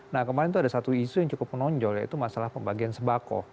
nah kemarin itu ada satu isu yang cukup menonjol yaitu masalah pembagian sebako